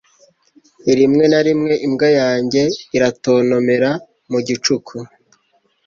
Rimwe na rimwe imbwa yanjye iratontomera mu gicuku.